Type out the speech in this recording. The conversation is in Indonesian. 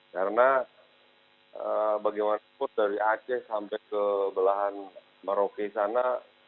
karena bagaimanapun dari aceh sampai ke belahan merauke sana